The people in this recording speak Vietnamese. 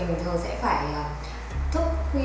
ngoài thường xuyên thức khuya